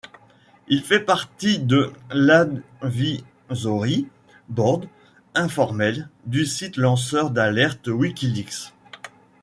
Il fait partie de l'Advisory Board informel du site lanceur d'alerte WikiLeaks.